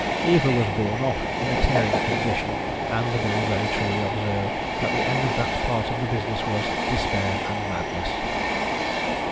Eva was borne off in a tearing condition, and the bill very truly observed that the end of that part of the business was "despair and madness."